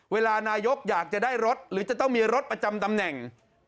เวลานายกอยากจะได้รถหรือจะต้องมีรถประจำตำแหน่ง